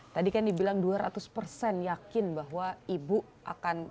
tadi kan dibilang dua ratus persen yakin bahwa ibu akan